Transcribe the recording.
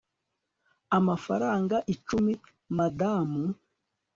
amafaranga icumi, madamu